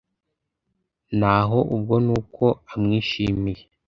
ni aho ubwo ni uko amwishimiye.